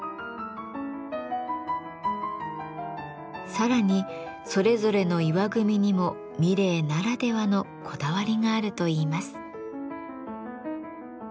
さらにそれぞれの石組にも三玲ならではのこだわりがあるといいます。